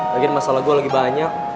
lagiin masalah gue lagi banyak